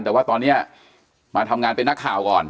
แต่ว่าตอนนี้มาทำงานเป็นนักข่าวก่อน